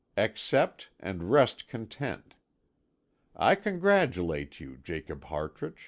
Accept, and rest content. I congratulate you, Jacob Hartrich.